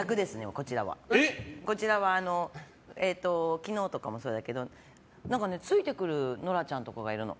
こちらは昨日とかもそうだけどついてくる野良ちゃんとかがいるの。